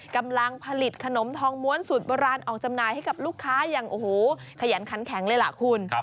กำลังผลิตขนมทองม้วนสูตรโบราณออกจำหน่ายให้กับลูกค้าอย่างโอ้โหขยันขันแข็งเลยล่ะคุณ